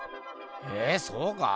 えそうか？